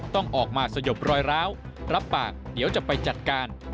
ต้องออกมาสยบรอยร้าวรับปากเดี๋ยวจะไปจัดการ